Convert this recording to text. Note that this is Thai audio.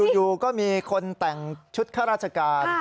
อยู่ก็มีคนแต่งชุดข้าราชการ